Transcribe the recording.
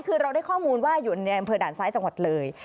คือเราได้ข้อมูลว่าอยู่ในอำเภอด่านซ้ายจังหวัดเลย